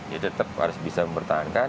jadi tetap harus bisa mempertahankan